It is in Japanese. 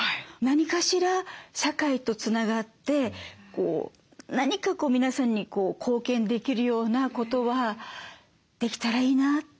何かしら社会とつながって何かこう皆さんに貢献できるようなことはできたらいいな。